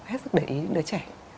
hết sức để ý đứa trẻ